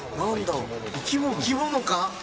・生き物か？